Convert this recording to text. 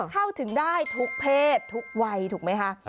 เข้าถึงได้ทุกเพศทุกวัยถูกไหมคะ